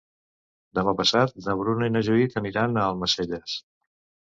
Demà passat na Bruna i na Judit aniran a Almacelles.